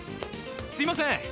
すみません。